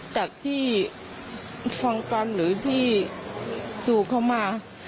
จากที่ฟังฟันหรือที่ถูกเขามา